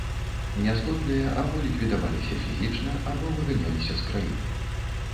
Нязгодныя або ліквідаваліся фізічна, або выганяліся з краіны.